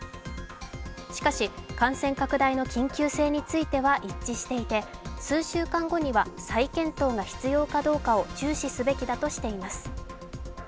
しかし、感染拡大の緊急性については一致していて、数週間後には再検討が必要かどうかを注視すべきだとしています。